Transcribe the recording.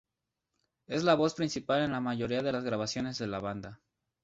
Él es la voz principal en la mayoría de las grabaciones de la banda.